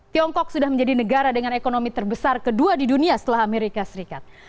tiongkok sudah menjadi negara dengan ekonomi terbesar kedua di dunia setelah amerika serikat